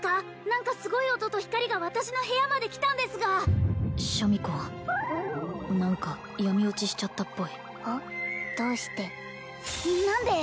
何かすごい音と光が私の部屋まで来たんですがシャミ子何か闇堕ちしちゃったっぽいどうして何で？